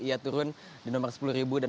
ia turun di nomor sepuluh ribu dan